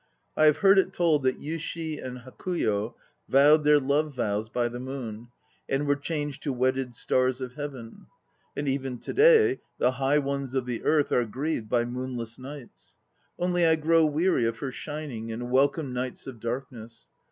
I have heard it told that Yushi and Hakuyo vowed their love vows by the moon, and were changed to wedded stars of heaven. And even to day the high ones of the earth are grieved by moonless nights. Only I grow weary of her shining and welcome nights of darkness.